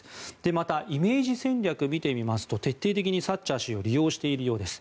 またイメージ戦略を見てみますと徹底的にサッチャー氏を利用しているようです。